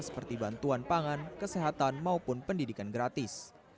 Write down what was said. seperti bantuan pangan kesehatan maupun pendidikan gratis